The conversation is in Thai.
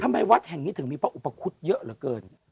วัดแห่งนี้ถึงมีพระอุปคุฎเยอะเหลือเกิน